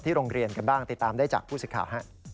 โรงเรียนกันบ้างติดตามได้จากผู้สิทธิ์ข่าว